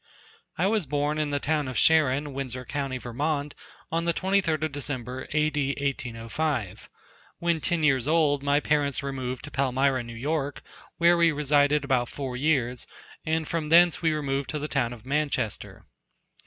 I was born in the town of Sharon, Windsor co., Vermont, on the 23d of December, A.D. 1805. When ten years old my parents removed to Palmyra, New York, where we resided about four years, and from thence we removed to the town of Manchester.